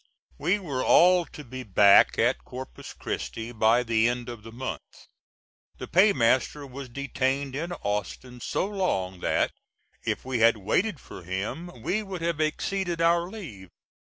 We were all to be back at Corpus Christi by the end of the month. The paymaster was detained in Austin so long that, if we had waited for him, we would have exceeded our leave.